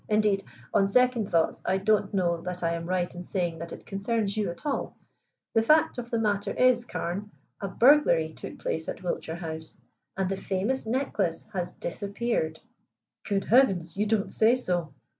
Indeed, on second thoughts, I don't know that I am right in saying that it concerns you at all. The fact of the matter is, Carne, a burglary took place at Wiltshire House, and the famous necklace has disappeared." "Good heavens! You don't say so?"